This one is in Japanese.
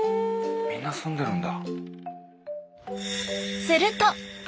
みんな住んでるんだ。